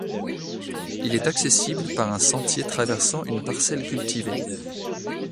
Il est accessible par un sentier traversant une parcelle cultivée.